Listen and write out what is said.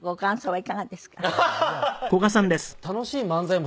はい。